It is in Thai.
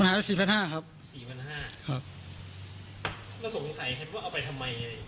มันหายไปสี่พันห้าครับสี่พันห้าครับแล้วสงสัยแค่ว่าเอาไปทำไมอะไรอย่าง